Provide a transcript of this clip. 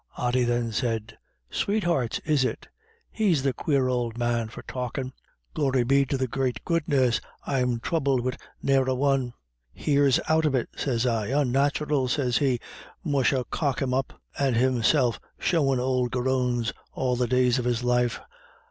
Ody then said: "Sweethearts is it? He's the quare ould man for talkin'. Glory be to the great goodness, I'm throubled wid ne'er a one. 'Here's out of it,' sez I. 'Onnathural,' sez he, musha cock him up, and himself shoein' ould garrons all the days of his life.